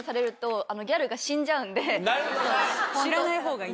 なるほどな。